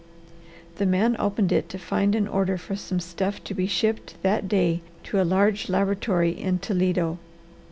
The man opened it to find an order for some stuff to be shipped that day to a large laboratory in Toledo.